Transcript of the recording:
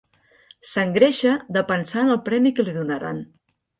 S'engreixa de pensar en el premi que li donaran.